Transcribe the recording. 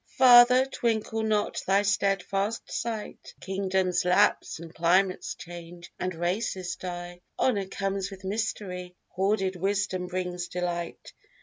Father, twinkle not thy stedfast sight; Kingdoms lapse, and climates change, and races die; Honour comes with mystery; Hoarded wisdom brings delight.